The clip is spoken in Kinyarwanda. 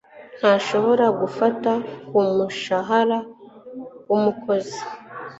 ntashobora gufata ku mushahara w umukozi